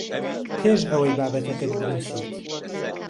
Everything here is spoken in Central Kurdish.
پێش ئەوەی بابەتەکەت بنووسیت